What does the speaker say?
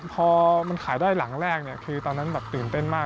พอมันขายได้หลังแรกคือตอนนั้นแบบตื่นเต้นมาก